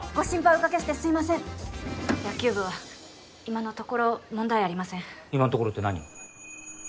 おかけしてすいません野球部は今のところ問題ありません「今のところ」って何？